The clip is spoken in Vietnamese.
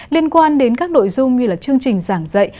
liên quan đến các nội dung như là chương trình giảng dạy